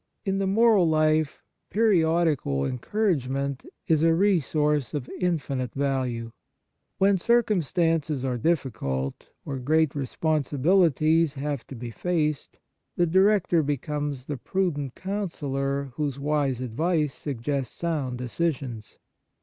In the moral life, periodical encourage ment is a resource of infinite value. When circumstances are difficult, or great responsibilities have to be faced, the director becomes the pru dent counsellor whose wise advice suggests sound decisions.